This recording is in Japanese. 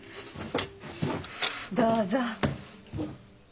どうぞ。